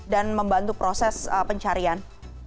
dan membantu proses pencarian